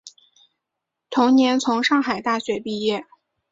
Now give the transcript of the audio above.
同年从上海大学毕业。